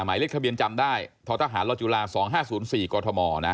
หมายเล็กทะเบียนจำได้ท้อทหารรจุฬาสองห้าศูนย์สี่กอทมนะ